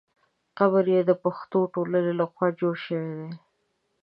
قبر یې د پښتو ټولنې له خوا جوړ شوی دی.